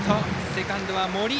セカンドは森。